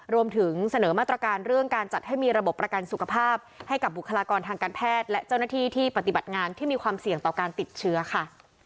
รวมถึงเสนอมาตรการเรื่องการจัดให้มีระบบประกันสุขภาพให้กับบุคลากรทางการแพทย์และเจ้าหน้าที่ที่ปฏิบัติงานที่มีความเสี่ยงต่อการติดเชื้อค่ะ